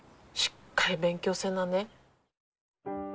しっかり勉強せなね。